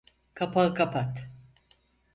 Kapağı kapat.